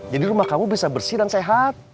jadi rumah kamu bisa bersih dan sehat